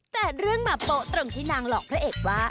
แต่เรื่องมาโป๊ะตรงที่นางหลอกพระเอกว่า